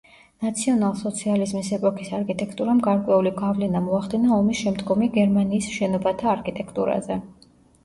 ნაციონალ-სოციალიზმის ეპოქის არქიტექტურამ გარკვეული გავლენა მოახდინა ომის შემდგომი გერმანიის შენობათა არქიტექტურაზე.